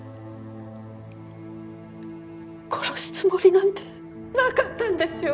殺すつもりなんてなかったんですよ